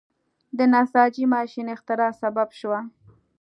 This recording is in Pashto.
د نساجۍ ماشین اختراع سبب شو.